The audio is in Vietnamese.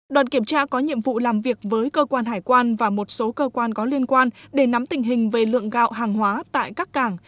đoàn kiểm tra có nhiệm vụ làm việc với cơ quan hải quan và một số cơ quan có liên quan để nắm tình hình về lượng gạo hàng hóa tại các cảng